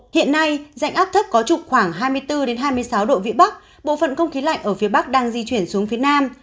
hiện nay dạnh áp thấp có trục khoảng hai mươi bốn hai mươi sáu độ vĩ bắc bộ phận không khí lạnh ở phía bắc đang di chuyển xuống phía nam